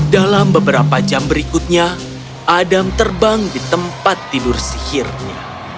dalam beberapa jam berikutnya adam terbang di tempat tidur sihirnya